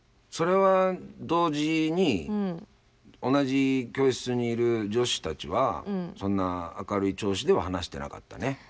それは同時に同じ教室にいる女子たちはそんな明るい調子では話してなかったね。